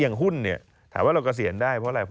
หุ้นเนี่ยถามว่าเราเกษียณได้เพราะอะไร